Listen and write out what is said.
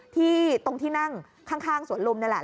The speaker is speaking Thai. ที่ตรงที่นั่งข้างสวนลุมนี่แหละ